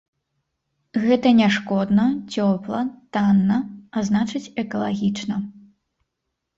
Гэта няшкодна, цёпла, танна, а значыць, экалагічна.